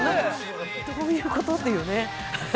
どういうこと？っていうね。